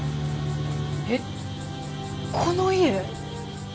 えっこの家！？